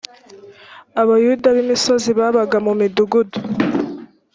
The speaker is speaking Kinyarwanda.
abayuda b’imusozi babaga mu midugudu